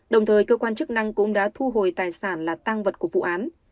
đồng thời cơ quan chức năng cũng đã thu hồi tài sản là tăng vật của vụ án